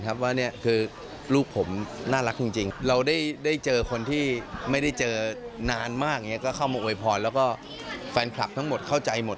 ไปฟังเสียงกันดูค่ะ